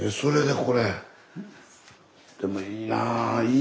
でもいいなあ。